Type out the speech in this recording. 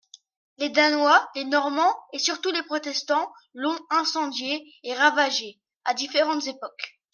Les Danois, les Normands et surtout les Protestants l'ont incendiée et ravagée à différentes époques.